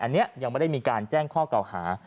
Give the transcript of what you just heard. อันนี้ยังไม่ได้มีการแจ้งข้อเก่าหา